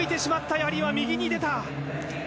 やりは右に出た。